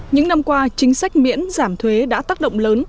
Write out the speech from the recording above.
những năm qua chính sách miễn giảm thuế đã tác động lớn